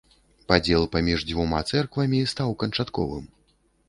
Падзел паміж дзвюма цэрквамі стаў канчатковым.